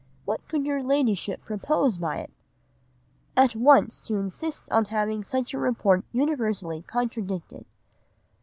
What could your Ladyship propose by it?' "'At once to insist on having such a report universally contradicted.